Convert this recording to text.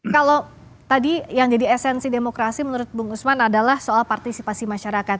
kalau tadi yang jadi esensi demokrasi menurut bung usman adalah soal partisipasi masyarakat